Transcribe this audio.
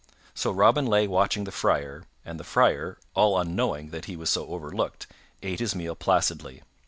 So Robin lay watching the Friar, and the Friar, all unknowing that he was so overlooked, ate his meal placidly.